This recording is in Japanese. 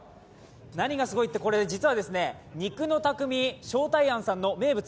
何がすごいって、これ実は肉の匠、将泰庵さんの名物！